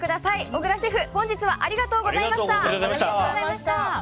小倉シェフ本日はありがとうございました。